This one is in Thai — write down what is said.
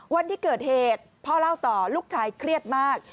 วันที่เกิดเหตุพ่อเล่าต่อลูกชายเครียดมาก